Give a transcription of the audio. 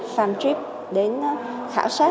fan trip đến khảo sát